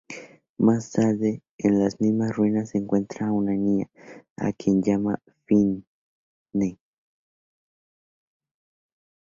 Más tarde, en las mismas ruinas encuentra a una niña, a quien llama Fine.